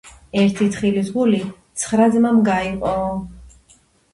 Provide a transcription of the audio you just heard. ერთი თხილის გული ცხრა ძმამ გაივო